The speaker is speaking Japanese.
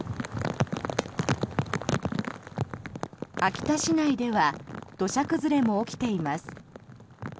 秋田市内では土砂崩れも起きています。